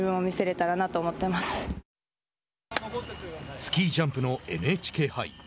スキージャンプのＮＨＫ杯。